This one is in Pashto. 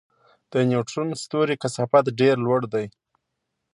د نیوټرون ستوري کثافت ډېر لوړ دی.